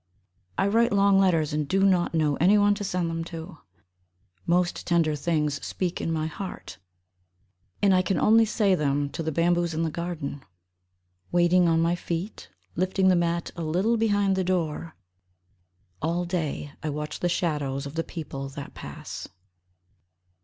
I write long letters and do not know anyone to send them to. Most tender things speak in my heart And 1 can only say them to the bamboos in the garden. Waiting on my feet, lifting the mat a little behind the door. All day I watch the shadows of the people that pass.